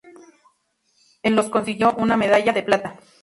En los consiguió una medalla de plata.